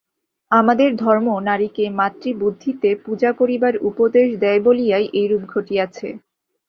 আমাদের ধর্ম নারীকে মাতৃবুদ্ধিতে পূজা করিবার উপদেশ দেয় বলিয়াই এইরূপ ঘটিয়াছে।